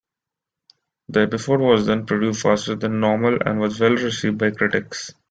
The episode was then produced faster than normal and was well received by critics.